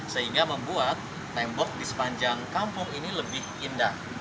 sehingga membuat tembok di sepanjang kampung ini lebih indah